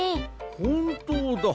ほんとうだ！